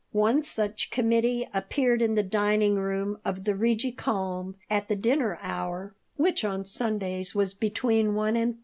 One such committee appeared in the dining room of the Rigi Kulm at the dinner hour, which on Sundays was between 1 and 3.